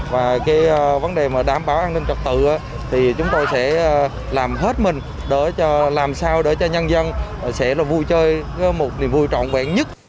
và cái vấn đề mà đảm bảo an ninh trật tự thì chúng tôi sẽ làm hết mình để làm sao để cho nhân dân sẽ vui chơi một niềm vui trọn vẹn nhất